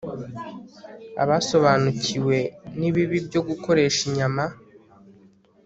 Abasobanukiwe nibibi byo gukoresha inyama